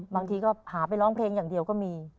บางทีก็หาไปร้องเพลงอย่างเดียวก็มี